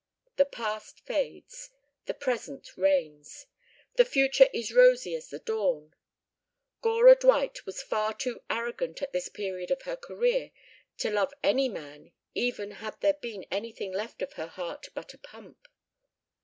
The past fades. The present reigns. The future is rosy as the dawn. Gora Dwight was far too arrogant at this period of her career to love any man even had there been anything left of her heart but a pump.